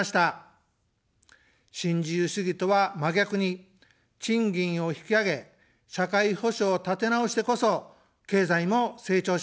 新自由主義とは、真逆に賃金を引き上げ、社会保障を立てなおしてこそ、経済も成長します。